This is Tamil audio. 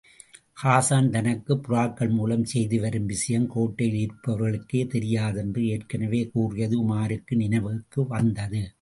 ஹாஸான், தனக்குப் புறாக்கள் மூலம் செய்திவரும் விஷயம் கோட்டையில் இருப்பவர்களுக்கே தெரியாதென்று ஏற்கெனவே கூறியது உமாருக்கு நினைவுவந்தது.